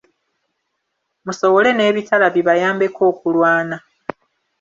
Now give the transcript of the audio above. Musowole n'ebitala bibayambeko okulwana!